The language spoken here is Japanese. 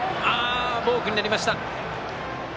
ボークになりました。